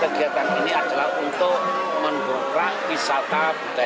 kegiatan ini adalah untuk membuka wisata